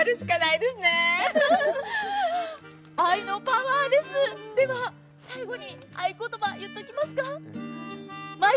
では最後に合い言葉、言っときますか。